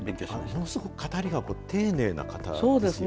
ものすごく語りが丁寧な方なんですね。